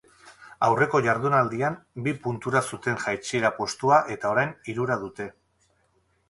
Aurreko jardunaldian bi puntura zuten jaitsiera postua eta orain hirura dute.